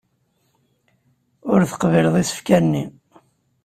Ur teqbileḍ isefka-nni.